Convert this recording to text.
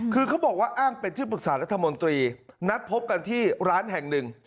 คือเขาบอกว่าอ้างเป็นที่ปรึกษารัฐมนตรีนัดพบกันที่ร้านแห่งหนึ่ง